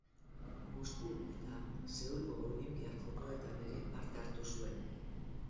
Mosku eta Seulgo Olinpiar Jokoetan ere parte hartu zuen.